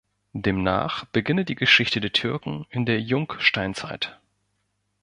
Demnach beginne die Geschichte der Türken in der Jungsteinzeit.